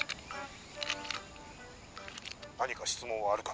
「何か質問はあるか？」